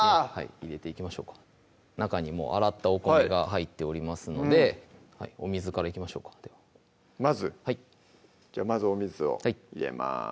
入れていきましょうか中に洗ったお米が入っておりますのでお水からいきましょうかではまずじゃあまずお水を入れます